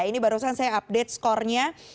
ini baru saja saya update skornya